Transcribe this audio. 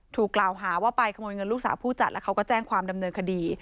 ถูกกล่าวหาว่าไปขโมยเงินลูกสาวผู้จัดแล้วเขาก็แจ้งความดำเนินคดี